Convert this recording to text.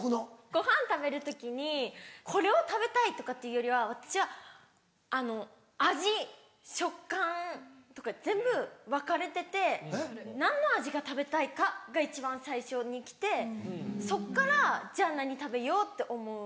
ごはん食べる時にこれを食べたいとかっていうよりは私はあの味食感とか全部分かれてて何の味が食べたいかが一番最初に来てそっからじゃあ何食べようって思う。